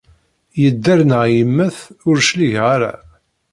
Yedder neɣ yemmet, ur cligeɣ ara.